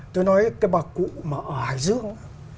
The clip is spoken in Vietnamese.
tớ nói cái bà cụ mà ở hải dương